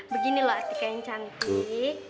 begini loh artikah yang cantik